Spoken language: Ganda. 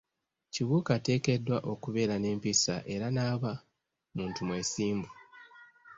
Kibuuka ateekeddwa okubeera n'empisa era n'aba muntu mwesimbu.